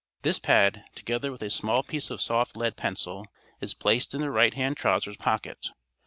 This pad, together with a small piece of soft lead pencil, is placed in the right hand trousers pocket.